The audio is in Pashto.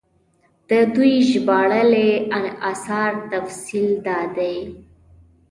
د دوي ژباړلي اثارو تفصيل دا دی